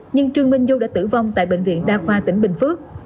nhưng trương minh du đã tử vong tại bệnh viện đa khoa tỉnh bình phước